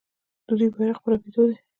د دوی بیرغ په رپیدو دی.